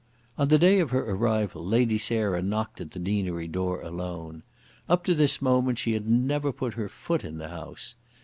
On the day of her arrival Lady Sarah knocked at the deanery door alone. Up to this moment she had never put her foot in the house.